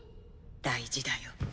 大事だよ。